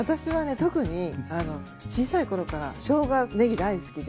特に小さい頃からしょうが・ねぎ大好きで。